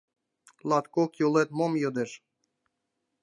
Латкок йолет мом йодеш?